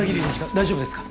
大丈夫ですか？